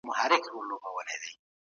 افغان کډوال د کار کولو مساوي حق نه لري.